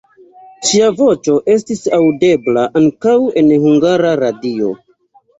Ŝia voĉo estis aŭdebla ankaŭ en Hungara Radio.